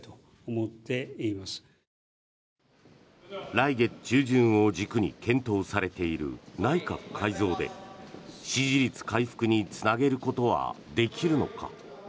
来月中旬を軸に検討されている内閣改造で支持率回復につなげることはできるのか。